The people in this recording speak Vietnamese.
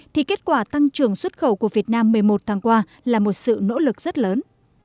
thì kết quả tăng trưởng xuất khẩu của việt nam một mươi một tháng qua là một sự nỗ lực rất lớn